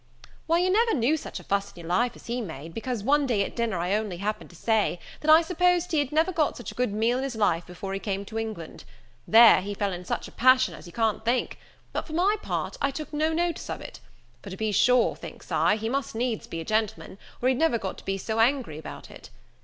"Why, you never knew such a fuss in your life as he made, because one day at dinner I only happened to say, that I supposed he had never got such a good meal in his life before he came to England: there, he fell in such a passion as you can't think: but for my part, I took no notice of it: for to be sure, thinks I, he must needs be a gentleman, or he'd never go to be so angry about it.